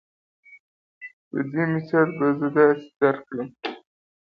د دې مثال به زۀ داسې درکړم